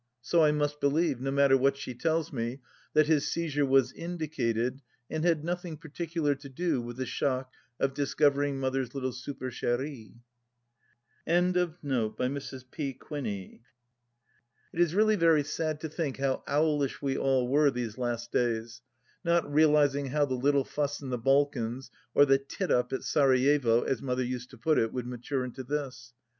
So I must believe, no matter what she tells me, that his seizure was indicated, and had nothing particular to do with the shock of discovering Mother's little superchene.\ ... It is really very sad to think how owlish we all were these last days, not realizing how " the little fuss in the Balkans," or the " tit up at Sarajevo," as Mother used to put it, would mature into this